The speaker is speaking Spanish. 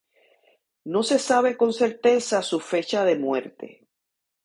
No se sabe con certeza su fecha de muerte.